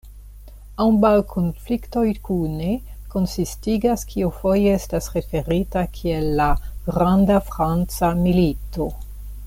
Ambaŭ konfliktoj kune konsistigas kio foje estas referita kiel la "'Granda Franca Milito'".